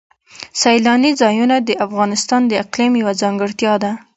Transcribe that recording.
سیلاني ځایونه د افغانستان د اقلیم یوه ځانګړتیا ده.